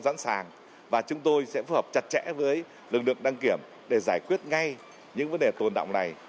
sẵn sàng và chúng tôi sẽ phù hợp chặt chẽ với lực lượng đăng kiểm để giải quyết ngay những vấn đề tồn động này